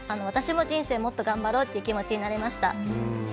私も人生もっと頑張ろうという気持ちになれました。